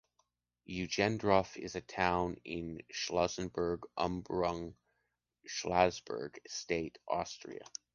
Eugendorf is a town in Salzburg-Umgebung, Salzburg(state), Austria.